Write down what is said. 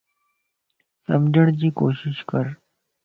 سمجھڙجي ڪوشش ڪر